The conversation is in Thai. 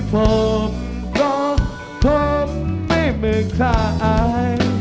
ผมก็คงไม่เหมือนใคร